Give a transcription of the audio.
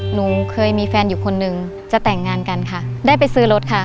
หนูเคยมีแฟนอยู่คนนึงจะแต่งงานกันค่ะได้ไปซื้อรถค่ะ